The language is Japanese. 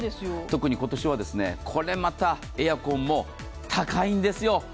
特に今年は、これまたエアコンも高いんですよ。